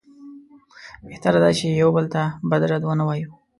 بهتره ده چې یو بل ته بد رد ونه وایو.